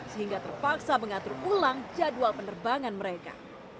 sehingga terpaksa mengatur ulang jadwal penerbangan mereka